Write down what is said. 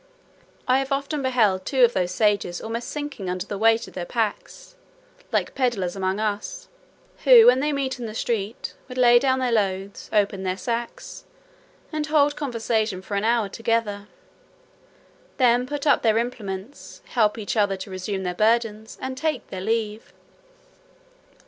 I have often beheld two of those sages almost sinking under the weight of their packs, like pedlars among us, who, when they met in the street, would lay down their loads, open their sacks, and hold conversation for an hour together; then put up their implements, help each other to resume their burdens, and take their leave.